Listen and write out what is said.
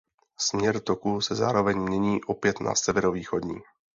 Směr toku se zároveň mění opět na severovýchodní.